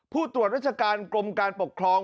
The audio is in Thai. ผู้ตรวจราชการกรมการปกครอง